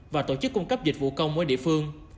và tổ chức cung cấp dịch vụ công mỗi địa phương